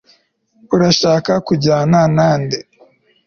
urashaka kujyana nande